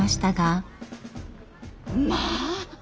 まあ！